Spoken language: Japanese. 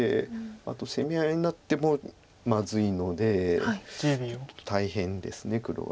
あと攻め合いになってもまずいのでちょっと大変です黒は。